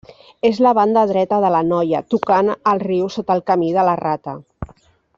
És la banda dreta de l'Anoia, tocant al riu sota el camí de la Rata.